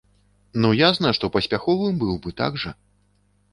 Ну ясна, што паспяховым быў бы, так жа?